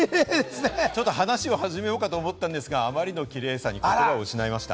話を始めようかと思ったんですが、あまりのキレイさに言葉を失いました。